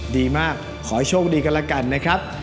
ดีมากขอให้โชคดีกันแล้วกันนะครับ